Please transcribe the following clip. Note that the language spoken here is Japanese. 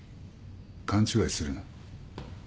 勘違いするな。